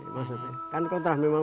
maksudnya kan kontras